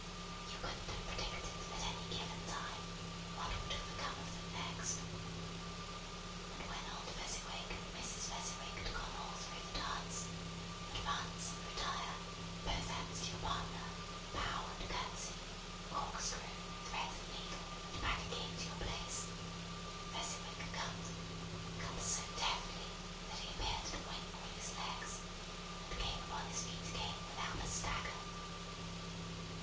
You couldn't have predicted, at any given time, what would have become of them next. And when old Fezziwig and Mrs. Fezziwig had gone all through the dance; advance and retire, both hands to your partner, bow and curtsey, corkscrew, thread the needle, and back again to your place; Fezziwig "cut" cut so deftly, that he appeared to wink with his legs, and came upon his feet again without a stagger.